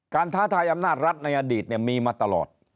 ท้าทายอำนาจรัฐในอดีตมีมาตลอด